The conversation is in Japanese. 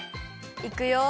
いくよ！